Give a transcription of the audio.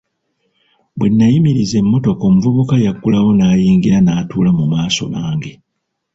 Bwe nnayimiriza emmotoka omuvubuka yaggulawo n'ayingira n'atuula mu maaso nange.